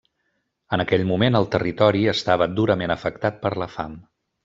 En aquell moment el territori estava durament afectat per la fam.